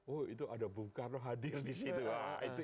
oh itu ada bengkar hadir di situ